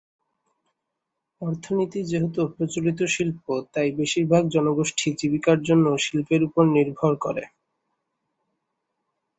অর্থনীতি যেহেতু প্রচলিত শিল্প, তাই বেশিরভাগ জনগোষ্ঠী জীবিকার জন্য শিল্পের উপর নির্ভর করে।